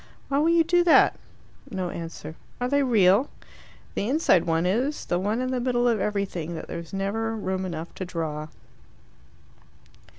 "Why will you do that?" No answer. "Are they real?" "The inside one is the one in the middle of everything, that there's never room enough to draw."